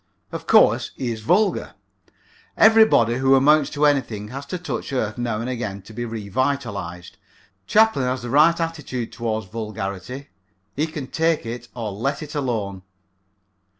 Of course, he is vulgar. Everybody who amounts to anything has to touch earth now and again to be revitalized. Chaplin has the right attitude toward vulgarity. He can take it or let it alone.